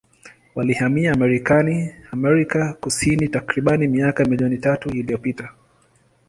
Walihamia Amerika Kusini takribani miaka milioni tatu iliyopita.